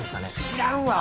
知らんわ